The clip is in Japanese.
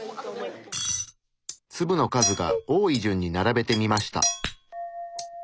粒の数が多い順に並べてみました。